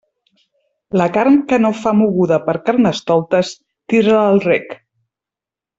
La carn que no fa moguda per Carnestoltes tira-la al rec.